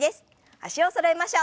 脚をそろえましょう。